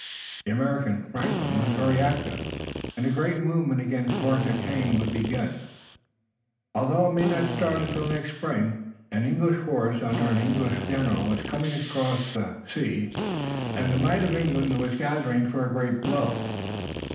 The American, Franklin, was very active, and a great movement against Fort Duquesne would be begun, although it might not start until next spring. An English force under an English general was coming across the sea, and the might of England was gathering for a great blow.